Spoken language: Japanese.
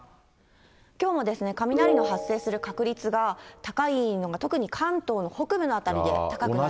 きょうもですね、雷の発生する確率が高いのが、特に関東の北部の辺りで高くなっています。